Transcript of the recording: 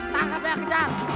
tangkap dia kejar